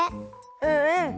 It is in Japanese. うんうん。